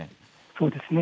そうですね。